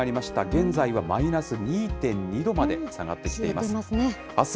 現在はマイナス２．２度まで下がってきています。